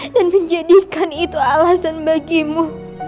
dan menjadikan itu alasan bagimu